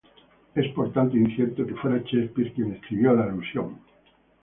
Es por tanto incierto que fuera Shakespeare quien escribió la alusión.